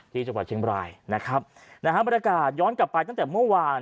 ที่จังหวัดเชียงบรายนะครับนะฮะบรรยากาศย้อนกลับไปตั้งแต่เมื่อวาน